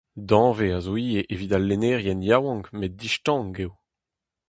Danvez a zo ivez evit al lennerien yaouank met distank eo.